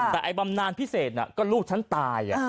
แต่ไอ้บำนานพิเศษก็ลูกฉันตาย